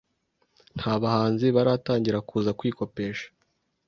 Nta bahanzi baratangira kuza kwikopesha